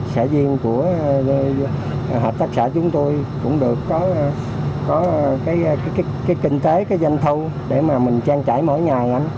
xã viên của hợp tác xã chúng tôi cũng được có cái kinh tế cái danh thu để mà mình trang trải mỗi ngày